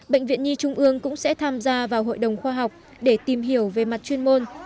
bệnh viện nhi trung ương cũng sẽ tham gia vào hội đồng khoa học để tìm hiểu về mặt chuyên môn